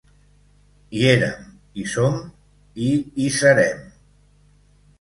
Hi érem, hi som i hi serem!